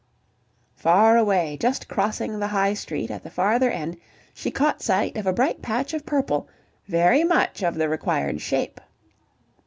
Far away, just crossing the High Street at the farther end, she caught sight of a bright patch of purple, very much of the required shape.